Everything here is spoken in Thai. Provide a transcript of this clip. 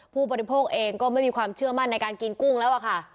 ผู้บริโภคเองก็ไม่มีความเชื่อมั่นในการกินกุ้งแล้วอะค่ะ